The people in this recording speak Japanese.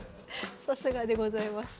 さすがでございます。